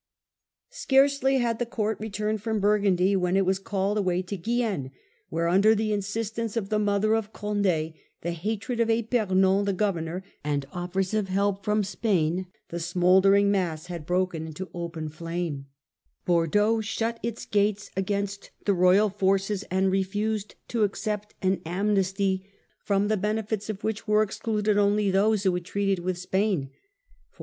Scarcely had the court returned from Burgundy, when it was called away to Guienne, where, under the in Revoit in sistance of the mother of Condd, the hatred of Guienne. £ pernon the governor, and offers of help from Spain, the smouldering mass had broken into open flame 165a Danger from Spain and Tnrenne . 57 Bordeaux shut its gates against the royal forces, and refused to accept an amnesty from the benefits of which were excluded only those who had treated with Spain.